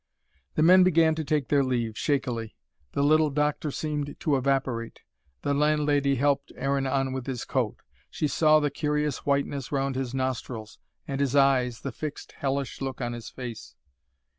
The men began to take their leave, shakily. The little doctor seemed to evaporate. The landlady helped Aaron on with his coat. She saw the curious whiteness round his nostrils and his eyes, the fixed hellish look on his face.